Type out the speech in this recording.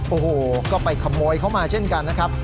โอ้โหก็ไปขโมยเขามาเช่นกันนะครับ